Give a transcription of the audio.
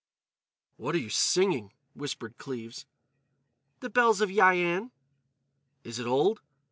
_" "What are you singing?" whispered Cleves. "'The Bells of Yian.'" "Is it old?"